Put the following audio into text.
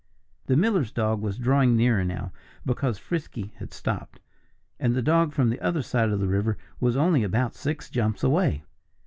The miller's dog was drawing nearer now, because Frisky had stopped. And the dog from the other side of the river was only about six jumps away!